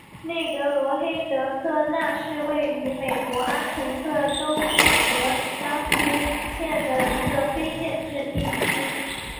内格罗黑德科纳是位于美国阿肯色州伍德拉夫县的一个非建制地区。